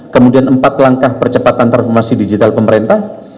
kemudian empat langkah percepatan transformasi digital pemerintah